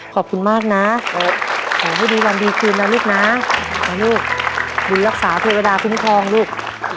ขอบคุณมากนะขอให้ดีวันดีคืนนะลูกนะลูกบุญรักษาเทวดาคุ้มครองลูก